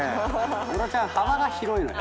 野呂ちゃん幅が広いのよ。